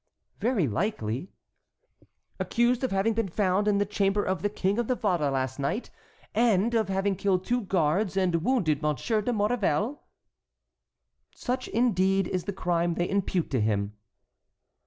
"Very likely." "Accused of having been found in the chamber of the King of Navarre last night, and of having killed two guards and wounded Monsieur de Maurevel?" "Such indeed is the crime they impute to him."